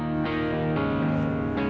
mama kemana sih kak